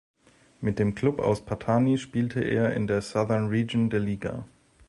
Mit dem Klub aus Pattani spielte er in der "Southern Region" der Liga.